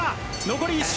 残り１周。